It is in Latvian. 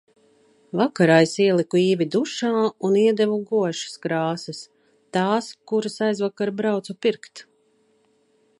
Vakarā es ieliku Īvi dušā un iedevu guaša krāsas. Tās, kuras aizvakar braucu pirkt.